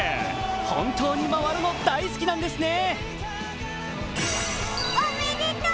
本当に回るの大好きなんですね。